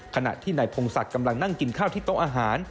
ขณะที่นายพงศักดิ์กำลังนั่งกินข้าวที่โต๊ะอาหาร